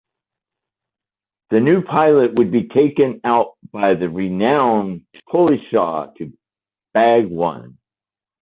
The new pilot would be taken out by the renowned Collishaw to "bag one".